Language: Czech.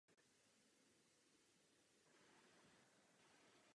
V Kadani rovněž vyrostl a začal svou divadelní kariéru herec Josef Dvořák.